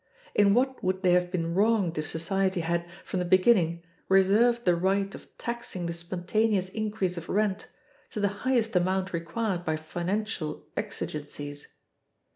In what would they have been wronged if society had, from the beginning, reserved the right of taxing the spontaneous increase of rent, to the highest amount required by financial exigencies?